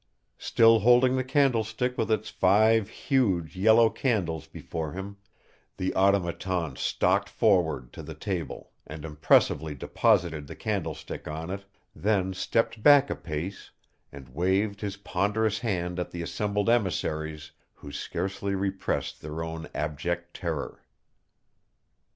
Still holding the candlestick with its five huge yellow candles before him, the Automaton stalked forward to the table and impressively deposited the candlestick on it, then stepped back a pace and waved his ponderous hand at the assembled emissaries, who scarcely repressed their own abject terror.